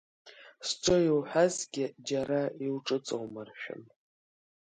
Сҿы иуҳәазгьы џьара иуҿыҵумыршәан!